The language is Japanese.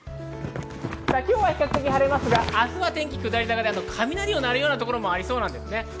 今日は比較的晴れますが、明日は天気は下り坂で雷のなるようなところもありそうです。